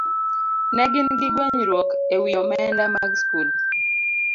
Ne gin gi gwenyruok e wi omenda mag skul.